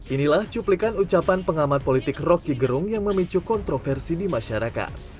inilah cuplikan ucapan pengamat politik roky gerung yang memicu kontroversi di masyarakat